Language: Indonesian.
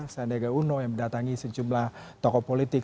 seandai gauno yang mendatangi sejumlah tokoh politik